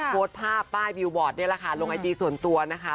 โพสต์ภาพป้ายบิวบอร์ดนี่แหละค่ะลงไอจีส่วนตัวนะคะ